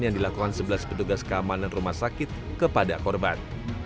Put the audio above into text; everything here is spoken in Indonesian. yang dilakukan sebelas petugas keamanan rumah sakit kepada korban